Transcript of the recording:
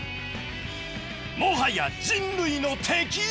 もはや人類の敵！